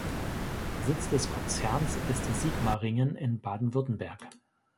Sitz des Konzerns ist Sigmaringen in Baden-Württemberg.